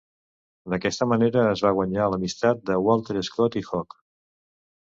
D'aquesta manera, es va guanyar l'amistat de Walter Scott i Hogg.